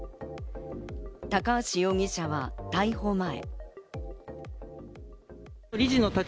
高橋容疑者は逮捕前。